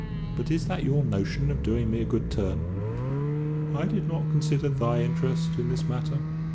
But is that your notion of doing me a good turn?" "I did not consider thy interest in this matter."